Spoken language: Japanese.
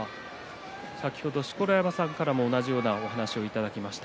先ほど錣山さんからも同じような話をいただきました。